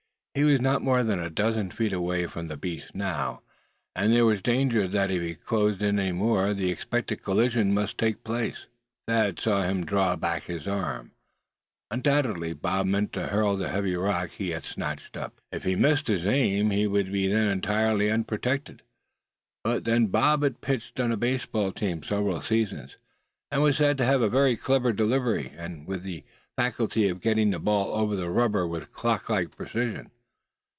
He was not more than a dozen feet away from the beast now, and there was danger that if he closed in any more the expected collision must take place. Thad saw him draw his arm back. Undoubtedly Bob meant to hurl the heavy rock he had snatched up. If he missed his aim, he would then be entirely unprotected. But then Bob had pitched on a baseball team several seasons, and was said to have a very clever delivery, with the faculty of getting the ball over the rubber with clock like precision.